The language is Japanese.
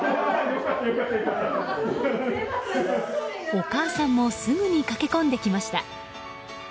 お母さんもすぐに駈け込んできました。